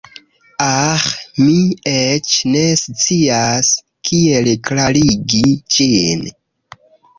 Aĥ, mi eĉ ne scias kiel klarigi ĝin.